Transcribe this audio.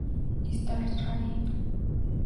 Star trail.